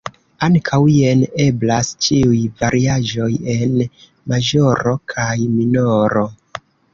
Ankaŭ jen eblas ĉiuj variaĵoj en maĵoro kaj minoro.